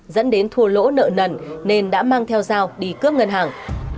dẫn đến thua lỗ nợ nần nên đã mang theo dao đi cướp ngân hàng